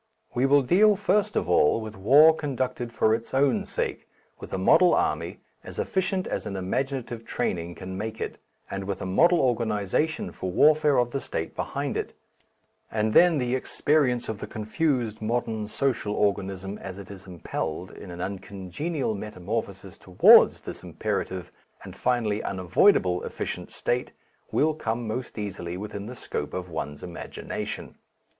We will deal first of all with war conducted for its own sake, with a model army, as efficient as an imaginative training can make it, and with a model organization for warfare of the State behind it, and then the experience of the confused modern social organism as it is impelled, in an uncongenial metamorphosis, towards this imperative and finally unavoidable efficient state, will come most easily within the scope of one's imagination.